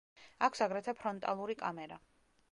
აქვს აგრეთვე ფრონტალური კამერა.